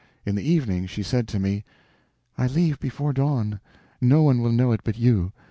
In the evening she said to me: "I leave before dawn. No one will know it but you.